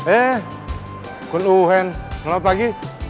eh gun uhen selamat pagi